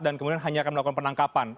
dan kemudian hanya akan melakukan penangkapan